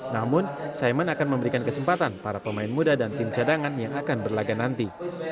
namun simon akan memberikan kesempatan para pemain muda dan tim cadangan yang akan berlaga nanti